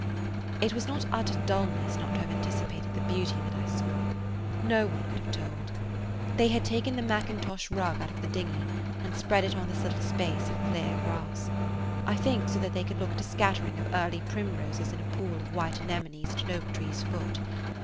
It was not utter dullness not to have anticipated the beauty that I saw. No one could have told. They had taken the mackintosh rug out of the dinghy and spread it on this little space of clear grass, I think so that they could look at a scattering of early primroses in a pool of white anemones at an oak tree's foot.